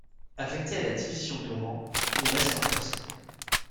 Affecté à la division d'Oran, il reste en poste.